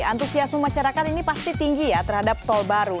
antusiasme masyarakat ini pasti tinggi ya terhadap tol baru